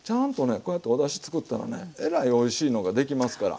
こうやっておだしつくったらねえらいおいしいのができますから。